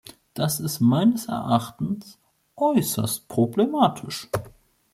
Das ist meines Erachtens äußerst problematisch.